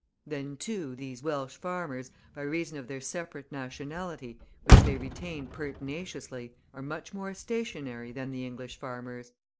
Then, too, these Welsh farmers, by reason of their separate nationality, which they retain pertinaciously, are much more stationary than the English farmers.